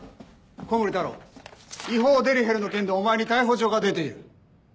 古森太郎違法デリヘルの件でお前に逮捕状が出ている。